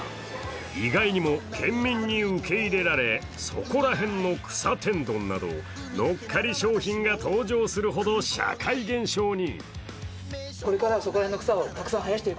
意外にも県民に受け入れられ、そこら辺の草天丼などのっかり商品が登場するほど社会現象に。